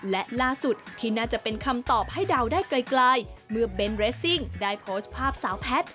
และล่าสุดที่น่าจะเป็นคำตอบให้เดาได้ไกลเมื่อเบนเรสซิ่งได้โพสต์ภาพสาวแพทย์